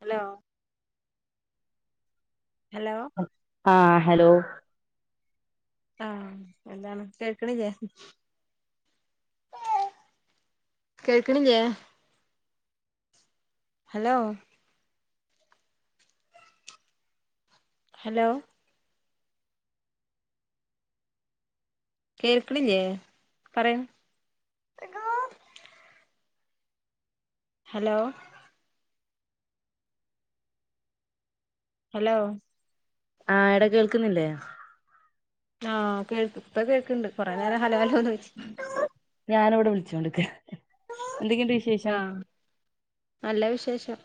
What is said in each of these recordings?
Hello hello ആഹ hello ആഹ എന്താണ് കേൾക്കണ ചെയ്യ കേൾക്കണില്ല ഹലോ ഹലോ കേൾക്കലിയേ പറയാ ഹലോ ഹലോ ആഹ് എട കേൾക്കുന്നില്ലേ ആഹ് കേൾക്ക ഇപ്പ കേൾക്കണ്ട് കൊറെ നേരം ഹല ഹലോന്ന് വെച്ചി ഞാന ഇവിടെ വിളിച്ചോണ്ടിരിക്ക എന്തൊക്കെയു ആഹ നല്ല വിശേഷം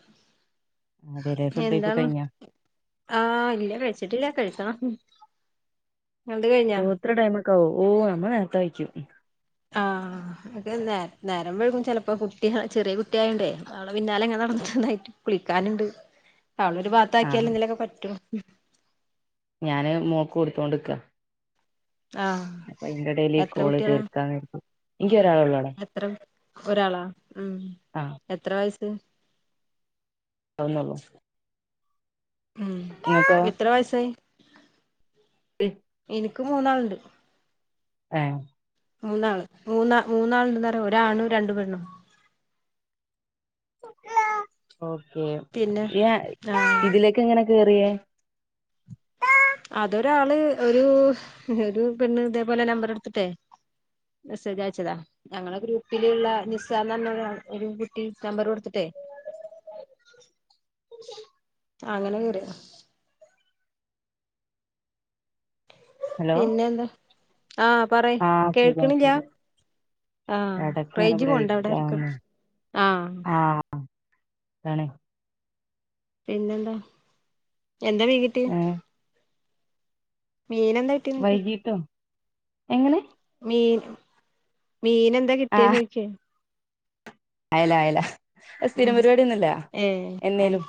അതെല്ലേ ഫുഡ് കഴിപ്പൊക്കെ എന്താണ് കഴിഞ്ഞോ ആഹ് ഇല്ല കഴിച്ചിട്ടില്ല കഴിക്കണം ങ്ങളത് കഴിഞ്ഞാ ഓഹ് ഇത്ര ടൈമ് ഒക്കെ ആവോ ഓ നമ്മൾ നേരത്ത യ്ക്കും [inaudible] ആഹ് നേ നേരം വെയികും ചെലപ്പോ കുട്ടി ചെറിയ കുട്ടിയായുണ്ടേ അവളെ പിന്നാലെ ങ്ങനെ നടന്നിട്ടും തായിട്ടും കുളിക്കാന്ണ്ട് അവള ഒരു ഭാത്ത ആക്കിയാലെ ആഹ് എന്തലൊക്കെ പറ്റു ഞാന് മോക്ക് കൊടുത്തോണ്ട്ക്ക ആഹ് അപ്പൊ അയിന്റെ എടേൽ ഈ എത്ര കോള് കുട്ടികളാ തീർക്കാൻ നിക്കും ഇങ്കി ഒരാള ള്ളു ടാ എത്ര ഒരാളാ മ്മ് ആഹ് എത്ര വയസ് അതന്നെള്ളു മ്മ് ഇങ്ങക്കോ എത്ര വയസായി ഇന്ക്ക് മൂന്നാള്ണ്ട് ഏ മൂന്നാള് മൂന്നാ മൂന്നാള് എന്ത്ന്നറിയ ഒരാണ് രണ്ട് പെണ്ണും ഓക്കേ പിന്നെ ആഹ് ഇതിലേക്ക് എങ്ങനെ കേറിയേ അതൊരാള് ഒരു ഒരു പെണ്ണ് ഇതേപോലെ നമ്പർ എടുത്തിട്ടേ മെസ്സേജ് അയച്ചതാ ഞങ്ങളെ ഗ്രൂപ്പില് ള്ള നിസ്സ നറഞ്ഞ ഒരു കുട്ടി നമ്പർ കൊടുത്തിട്ടേ [inaudible] അങ്ങനെ കേറിയതാ ഹലോ പിന്നെന്താ ആഹ് പറയ് ആഹ് കേൾക്കണില്ല ഇടക്ക് ആഹ് ങ്ങനെ റേഞ്ച് പോണുണ്ടോ ബ്രയിക് അവിടെ ഇടക്ക് ആവുന്ന് ആഹ് ആഹ് താണ് പിന്നെന്താ എന്താ മീൻ കിട്ടി ഏഹ് മീനന്താ കി. വൈകീട്ടും എങ്ങനെ. മീൻ മീൻ ന്തെ കിട്ടിയെ ആഹ് ചോയിക്കെ. അയല അയല അത് സ്ഥിരം പരിപാടിന്നുല്ല ഏ അയ് എന്നേലും.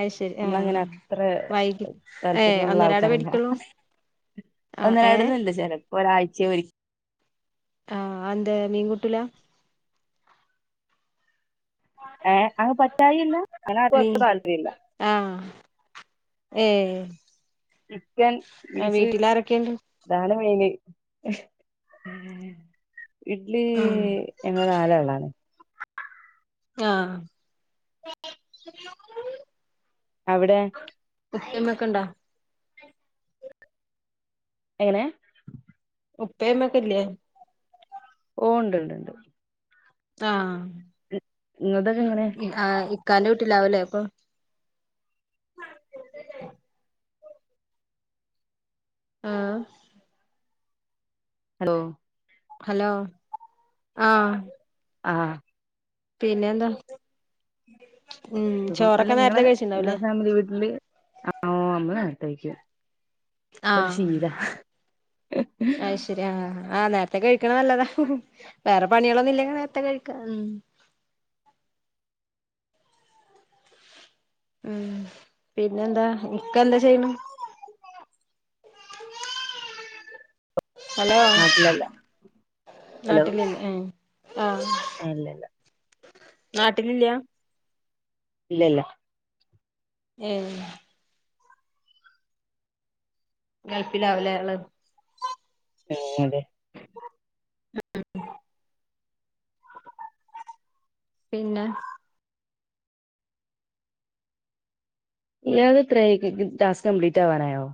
അയ് ശരി ആ നമ്മളങ്ങന അത്ര വൈകി ഏ താല്പര്യള്ള ഒന്നരാടേ ആൾക്കാരല്ല മേടിക്കുള്ളൂ ആ ഏ ഒന്നരാടന് ണ്ട് ചലപ്പോ ഒരാഴ്ചയെ ഒരി. ആഹ് അന്തെ മീൻകൂട്ടുല. ഏ അങ്ങ് പറ്റായിയല്ല അങ്ങനെ ആര്ക്കും ഒട്ടുംതാല്പപര്യാല്ല. ആഹ് ഏ ചിക്കൻ ആ ബീഫ് വീട്ടില് ആരൊക്കേണ്ട്. അതാണ് മയിന് ഇഡ്ലി ഉം ഞങ്ങൾ നാലാളാണ്. ആഹ് അവിടെ. ഉപ്പ ഉമ്മ ഒക്കെണ്ടാ. എങ്ങനെ. ഉപ്പേമ്മക്കല്ലേ. ഓ ണ്ട്ണ്ട് ണ്ട്. ആഹ് ങ്ങളതൊക്കെ എങ്ങനെ. ആഹ് ഇക്കാന്റെ വീട്ടിലാവു ല്ലേ പ്പൊ. ആഹ് ഹലോ. ഹലോ ആഹ്. ആഹ് പിന്നെന്താ. ഉം സുഖം അല്ല ചോറൊക്കെ ങ്ങളെ നേരത്തെ നങ്ങള കഴിച്ചിണ്ടാവൂലേ ഫാമിലി വീട്ടില് ഓ അമ്മള് നേത്തയ്ക്കും ഒരു ശീലാ. അയിശരി ആഹ് നേരത്തെ കഴിക്കണത് നല്ലതാ വേറെ പണികളൊന്നും ല്ലങ്കി നേരത്തെ കഴിക്കാ മ്മ്. മ്മ് പിന്നെ എന്താ ഇക്ക എന്താ ചെയ്യണ്. [inaudible] ഹലോ നാട്ടിലല്ല ആട്ടില ആ ആല്ലല്ല. നാട്ടിലില്ല. ഇല്ലല്ല. എ ഗൾഫിലാവല ഉള്ള. ആ അതെ. ഉഹ. പിന്നെ ഇല്ലാത ഇത്ര ടാസ്ക് കംപ്ലീറ്റ് ആവാനായോ.